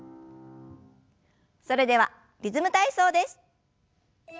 それではリズム体操です。